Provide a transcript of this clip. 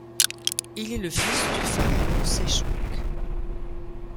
Il est le fils du pharaon Sheshonq.